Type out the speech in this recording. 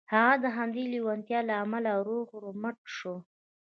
هغه د همدې لېوالتیا له امله روغ رمټ شو